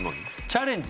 チャレンジ